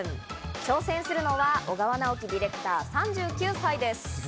挑戦するのは小川直希ディレクター、３９歳です。